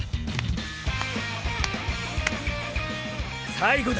最後だ！